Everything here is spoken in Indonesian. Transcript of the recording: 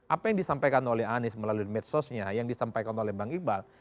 apa yang disampaikan oleh anies melalui medsosnya yang disampaikan oleh bang iqbal